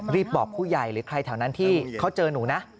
บอกผู้ใหญ่หรือใครแถวนั้นที่เขาเจอหนูนะ